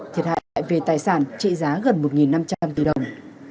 thiệt hại về tài sản trị giá gần một năm trăm linh tỷ đồng